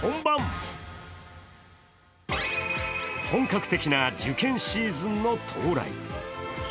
本格的な受験シーズンの到来。